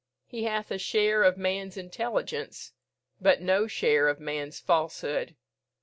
He hath a share of man's intelligence, but no share of man's falsehood.